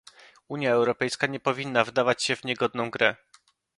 Unia Europejska nie powinna wdawać się w tę niegodną grę